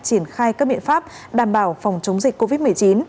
triển khai các biện pháp đảm bảo phòng chống dịch covid một mươi chín